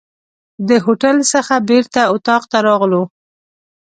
د هوټل څخه بیرته اطاق ته راغلو.